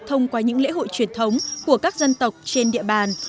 thông qua những lễ hội truyền thống của các dân tộc trên địa bàn